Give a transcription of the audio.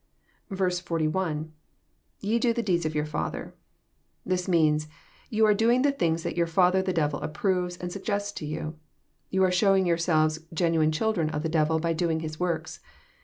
41. —[ Te do the deeds of your fatJ^er,'] This means " You are doing the things that your* father the devil approves and suggests to you. You are showing yourselves genuine children of the devil, by doing his works."